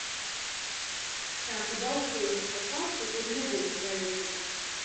Tā ka balsojums pa pastu tur nebūs vajadzīgs.